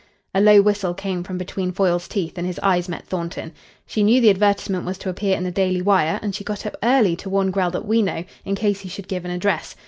A low whistle came from between Foyle's teeth and his eyes met Thornton. "She knew the advertisement was to appear in the Daily Wire, and she got up early to warn Grell that we know, in case he should give an address.